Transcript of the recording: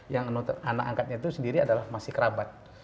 yang anak angkatnya itu sendiri adalah masih kerabat